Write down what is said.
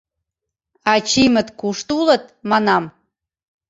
Ачиймыт кушто улыт, манам?!